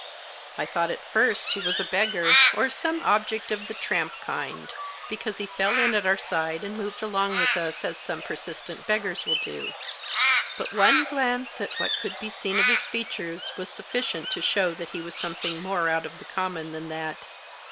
I thought at first he was a beggar, or some object of the tramp kind, because he fell in at our side, and moved along with us, as some persistent beggars will do. But one glance at what could be seen of his features was sufficient to show that he was something more out of the common than that.